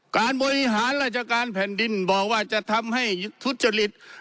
การบริหารราชการแผ่นดินบอกว่าจะทำให้ทุจริต